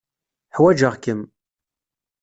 Ḥwajeɣ-kem.